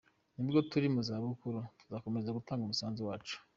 Nubwo turi mu zabukuru tuzakomeza gutanga umusanzu wacu.